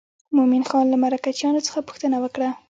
مومن خان له مرکچیانو څخه پوښتنه وکړه.